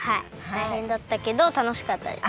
たいへんだったけどたのしかったです。